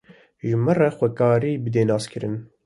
ji me re xwe karî bidî naskirin